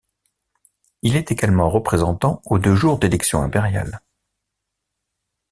Il est également représentant aux deux jours d'élections impériales.